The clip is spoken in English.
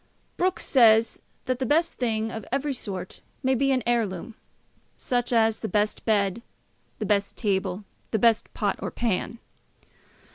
Brooke says, that the best thing of every sort may be an heirloom, such as the best bed, the best table, the best pot or pan.